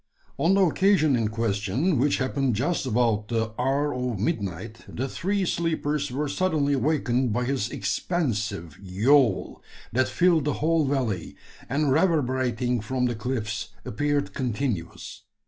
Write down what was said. On the occasion in question which happened just about the hour of midnight the three sleepers were suddenly awakened by his expansive "yowl," that filled the whole valley, and reverberating from the cliffs, appeared continuous.